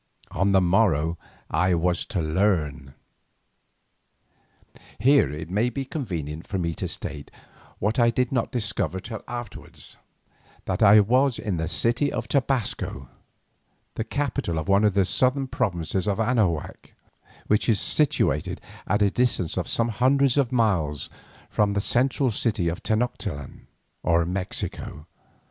On the morrow I was to learn. Here it may be convenient for me to state, what I did not discover till afterwards, that I was in the city of Tobasco, the capital of one of the southern provinces of Anahuac, which is situated at a distance of some hundreds of miles from the central city of Tenoctitlan, or Mexico.